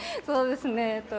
そうですね。